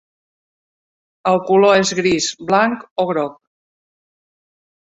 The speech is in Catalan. El color és gris, blanc o groc.